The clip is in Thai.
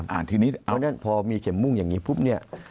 ทีนี้เพราะฉะนั้นพอมีเข็มมุ่งอย่างนี้ปุ๊บเนี่ย